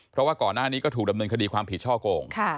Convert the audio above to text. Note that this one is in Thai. เพราะว่าก่อนหน้านี้ก็ถูกดำเนินคดีความผิดช่อโกง